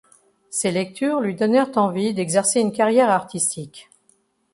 Ses lectures lui donnèrent envie d'exercer une carrière artistique.